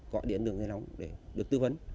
gọi điện đường dây lóng để được tư vấn